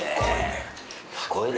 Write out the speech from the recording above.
すごいね。